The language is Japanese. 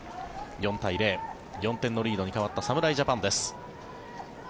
４対０、４点のリードに変わった侍ジャパンです。